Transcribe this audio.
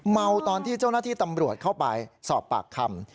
เมาตอนที่เจ้าหน้าที่ตำรวจเข้าไปสอบปากคำ